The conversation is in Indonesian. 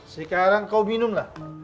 sekarang kau minum lah